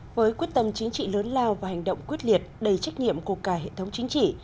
với quyết tâm chính trị lớn lao và hành động quyết liệt đầy trách nhiệm của cả hệ thống chính trị